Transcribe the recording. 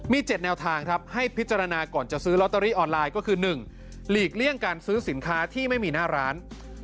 มี๗แนวทางครับให้พิจารณาก่อนจะซื้อลอตเตอรี่ออนไลน์ก็คือ๑หลีกเลี่ยงการซื้อสินค้าที่ไม่มีหน้าร้าน